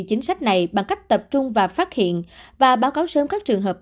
chính sách này bằng cách tập trung và phát hiện và báo cáo sớm các trường hợp